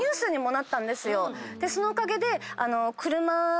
そのおかげで。